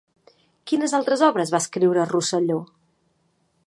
Quines altres obres va escriure Rosselló?